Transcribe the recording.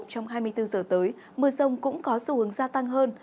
trong hai mươi bốn giờ tới mưa rông cũng có xu hướng gia tăng hơn